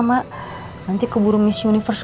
mak nanti keburu miss universe